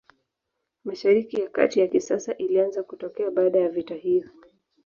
Mashariki ya Kati ya kisasa ilianza kutokea baada ya vita hiyo.